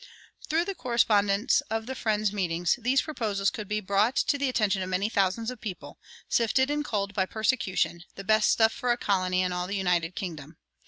Through the correspondence of the Friends' meetings, these proposals could be brought to the attention of many thousands of people, sifted and culled by persecution, the best stuff for a colony in all the United Kingdom.